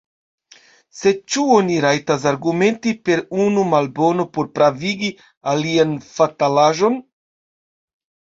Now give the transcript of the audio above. Sed ĉu oni rajtas argumenti per unu malbono por pravigi alian fatalaĵon?